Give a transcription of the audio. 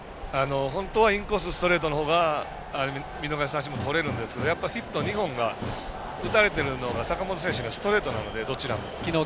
本当はインコースのストレートの方が見逃し三振もとれるんですけどやっぱり、ヒット２本が打たれているのが坂本選手がストレートなのでどちらも。